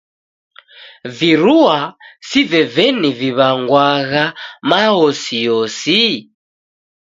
Virua si veveni viw'angwagha maosiyosi?